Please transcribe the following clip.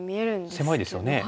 狭いですよね。